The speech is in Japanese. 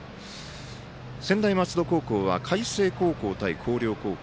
専大松戸高校は海星高校対広陵高校